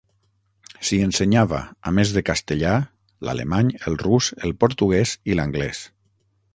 S'hi ensenyava, a més de castellà, l'alemany, el rus, el portuguès i l'anglès.